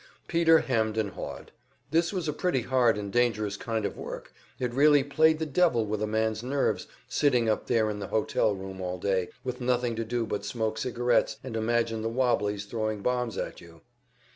Peter hemmed and hawed. This was a pretty hard and dangerous kind of work, it really played the devil with a man's nerves, sitting up there in the hotel room all day, with nothing to do but smoke cigarettes and imagine the "wobblies" throwing bombs at you.